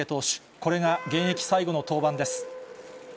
これが現役最後の登板です。